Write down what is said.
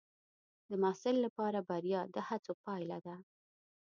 د محصل لپاره بریا د هڅو پایله ده.